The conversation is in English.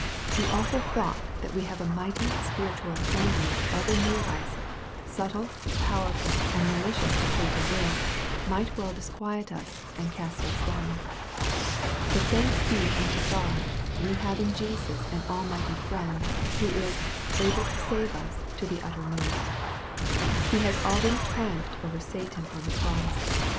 The awful thought that we have a mighty spiritual enemy ever near us, subtle, powerful, and malicious as Satan is, might well disquiet us, and cast us down. But, thanks be unto God, we have in Jesus an almighty Friend, who is " able to save us to the uttermost." He has already triumphed over Satan on the cross.